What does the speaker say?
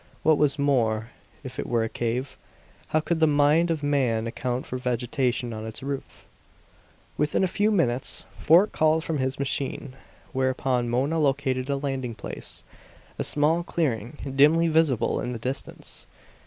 What was more, if it were a cave, how could the mind of man account for vegetation on its roof? Within a few minutes Fort called from his machine; whereupon Mona located a landing place, a small clearing dimly visible in the distance.